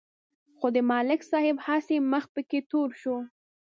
خو د ملک صاحب هسې مخ پکې تور شو.